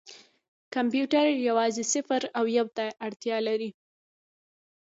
کمپیوټر یوازې صفر او یو ته اړتیا لري.